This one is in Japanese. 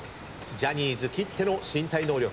ジャニーズきっての身体能力。